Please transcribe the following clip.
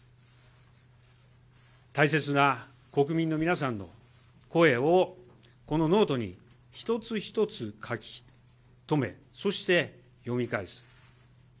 大切な国民の皆さんの声を、このノートに一つ一つ書き留め、そして読み返す。